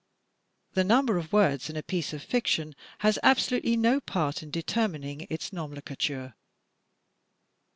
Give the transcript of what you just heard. The i>umber of words in a piece of fiction has absolutely no part in determining its nomenclature.